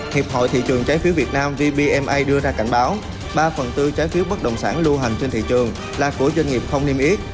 hiệp hội thị trường trái phiếu việt nam gbma đưa ra cảnh báo ba phần tư trái phiếu bất động sản lưu hành trên thị trường là của doanh nghiệp không niêm yết